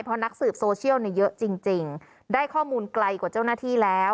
เพราะนักสืบโซเชียลเนี่ยเยอะจริงได้ข้อมูลไกลกว่าเจ้าหน้าที่แล้ว